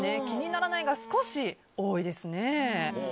気にならないが少し多いですね。